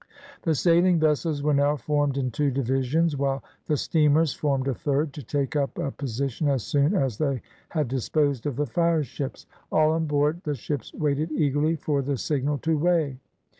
The sailing vessels were now formed in two divisions, while the steamers formed a third, to take up a position as soon as they had disposed of the fireships. All on board the ships waited eagerly for the signal to weigh.